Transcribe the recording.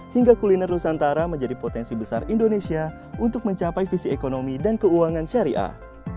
hingga kuliner nusantara menjadi potensi besar indonesia untuk mencapai visi ekonomi dan keuangan syariah